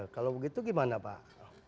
kalau begitu gimana pak